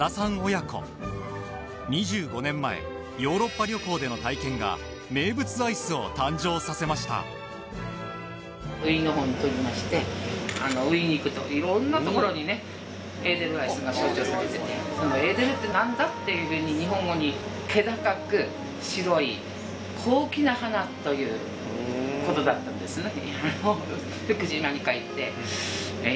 親子２５年前ヨーロッパ旅行での体験が名物アイスを誕生させましたそのエーデルって何だ？っていうふうに日本語に気高く白い高貴な花ということだったんですね